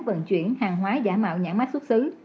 vận chuyển hàng hóa giả mạo nhãn mát xuất xứ